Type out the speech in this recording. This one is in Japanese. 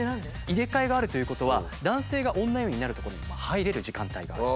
入れ替えがあるということは男性が女湯になる所にも入れる時間帯がある。